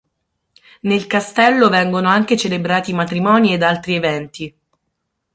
Nel castello vengono anche celebrati matrimoni ed altri eventi.